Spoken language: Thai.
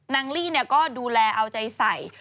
นางลี่ก็ดูแลเอาใจใส